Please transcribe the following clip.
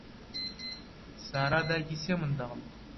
سارا دایکی سێ منداڵە.